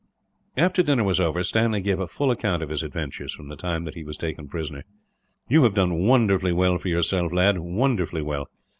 After dinner was over, Stanley gave a full account of his adventures, from the time that he was taken prisoner. "You have done wonderfully well for yourself, lad; wonderfully well.